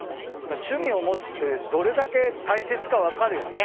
趣味を持つってどれだけ大切か分かるよね。